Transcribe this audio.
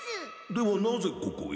ではなぜここへ？